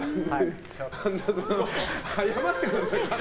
神田さん、謝ってください。